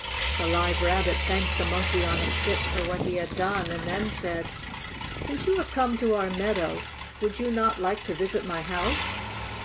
The Live Rabbit thanked the Monkey on a Stick for what he had done and then said: "Since you have come to our meadow would you not like to visit my house?"